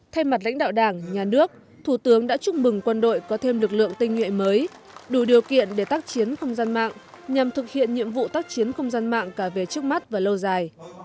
thay mặt lãnh đạo đảng nhà nước thủ tướng đã chúc mừng quân đội có thêm lực lượng tinh nhuệ mới đủ điều kiện để tác chiến không gian mạng nhằm thực hiện nhiệm vụ tác chiến không gian mạng cả về trước mắt và lâu dài